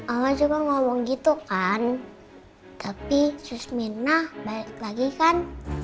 oma juga ngomong gitu kan tapi suster minah balik lagi kan